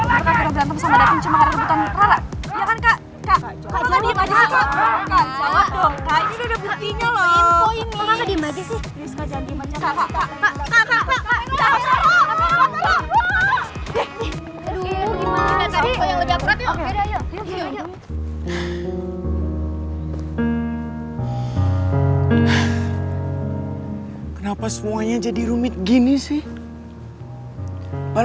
apa kakak kena berantem sama dakin cuma karena kebutuhan rara